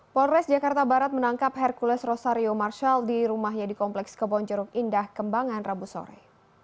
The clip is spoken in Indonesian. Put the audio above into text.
polres jakarta barat menangkap hercules rosario marshal di rumahnya di kompleks kebonjeruk indah kembangan rabu sore